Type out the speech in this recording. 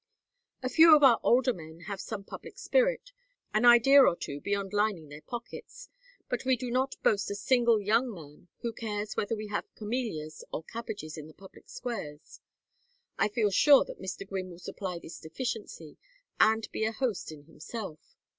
A few of our older men have some public spirit, an idea or two beyond lining their pockets, but we do not boast a single young man who cares whether we have camellias or cabbages in the public squares. I feel sure that Mr. Gwynne will supply this deficiency and be a host in himself.